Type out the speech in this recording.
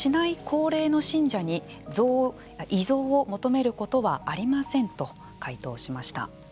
高齢の信者に遺贈を求めることはありませんと回答しました。